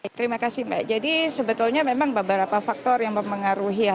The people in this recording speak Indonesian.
terima kasih mbak jadi sebetulnya memang beberapa faktor yang mempengaruhi ya